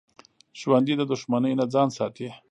ژوندي د دښمنۍ نه ځان ساتي